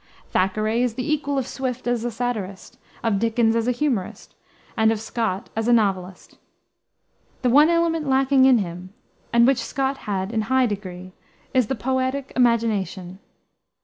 Thackeray is the equal of Swift as a satirist, of Dickens as a humorist, and of Scott as a novelist. The one element lacking in him and which Scott had in a high degree is the poetic imagination.